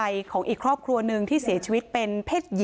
ส่วนน้องแต่งไทยของอีกครอบครัวนึงที่เสียชีวิตเป็นเพศหญิงที่คลอดก่อนกำหนดนะคะ